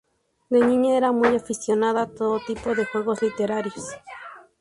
De niña era muy aficionada a todo tipo de juegos literarios.